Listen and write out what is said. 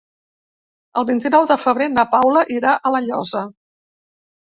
El vint-i-nou de febrer na Paula irà a La Llosa.